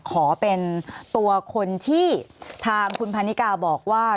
ขอเป็นตัวคนที่ทางคุณพันนิกาบอกว่า